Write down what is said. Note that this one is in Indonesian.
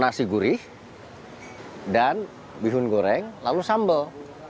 nasi gurih dan bihun goreng lalu sambal